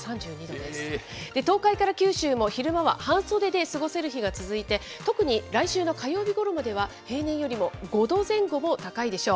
東海から九州も昼間は半袖で過ごせる日が続いて、特に来週の火曜日ごろまでは、平年よりも５度前後も高いでしょう。